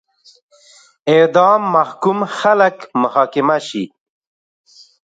اعدام محکوم خلک محاکمه شي.